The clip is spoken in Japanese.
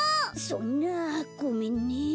そんなごめんね。